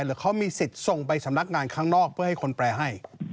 หรือเขามีสิทธิ์ส่งไปสำนักงานข้างนอกเพื่อให้คนแปลให้